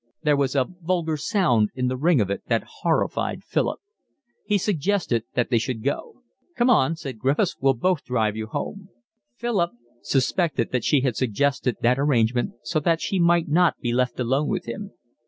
There was a vulgar sound in the ring of it that horrified Philip. He suggested that they should go. "Come on," said Griffiths, "we'll both drive you home." Philip suspected that she had suggested that arrangement so that she might not be left alone with him.